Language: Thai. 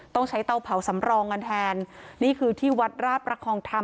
ต้องใช้เตาเผาสำรองกันแทนนี่คือที่วัดราชประคองธรรม